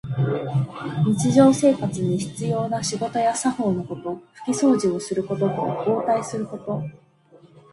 日常生活に必要な仕事や作法のこと。ふきそうじをすることと、応対すること。